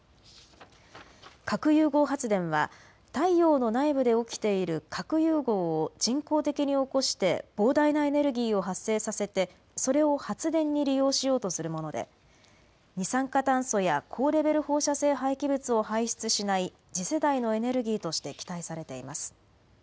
核融合発電は太陽の内部で起きている核融合を人工的に起こして膨大なエネルギーを発生させてそれを発電に利用しようとするもので二酸化炭素や高レベル放射性廃棄物を排出しない次世代のエネルギーとして期待されています。